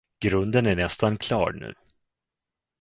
Grunden är nästan klar nu.